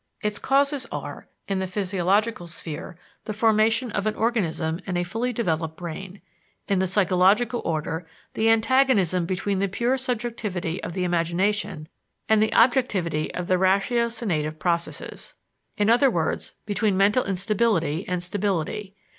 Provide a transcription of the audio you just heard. Its causes are, in the physiological sphere, the formation of an organism and a fully developed brain; in the psychologic order, the antagonism between the pure subjectivity of the imagination and the objectivity of ratiocinative processes; in other words, between mental instability and stability.